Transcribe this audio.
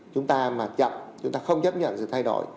chúng ta mà chậm chúng ta không chấp nhận sự thay đổi